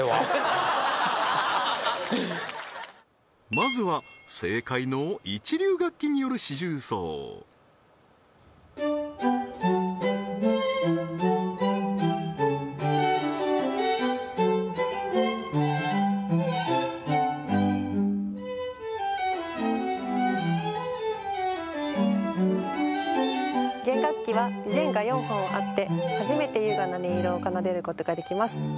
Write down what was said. まずは正解の一流楽器による四重奏弦楽器は弦が４本あって初めて優雅な音色を奏でることができます